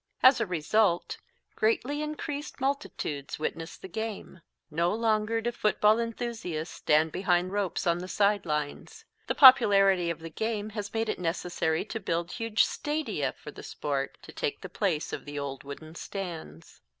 As a result, greatly increased multitudes witness the game. No longer do football enthusiasts stand behind ropes on the side lines. The popularity of the game has made it necessary to build huge stadia for the sport, to take the place of the old wooden stands.